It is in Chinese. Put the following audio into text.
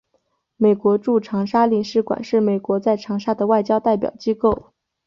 美国驻长沙领事馆是美国在长沙的外交代表机构。